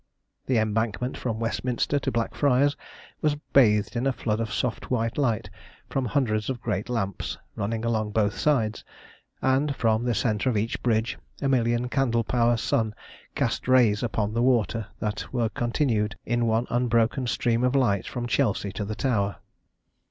The Embankment from Westminster to Blackfriars was bathed in a flood of soft white light from hundreds of great lamps running along both sides, and from the centre of each bridge a million candle power sun cast rays upon the water that were continued in one unbroken stream of light from Chelsea to the Tower.